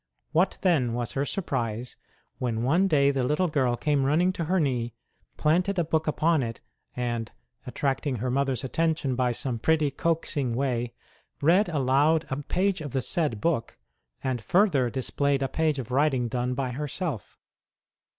What, then, was her surprise when one day the little girl came running to her knee, planted a book upon it, and attract ing her mother s attention by some pretty coaxing way read aloud a page of the said book, and further displayed a page of writing done by herself.